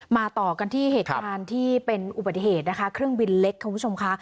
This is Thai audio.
ต่อกันที่เหตุการณ์ที่เป็นอุบัติเหตุนะคะเครื่องบินเล็กคุณผู้ชมค่ะ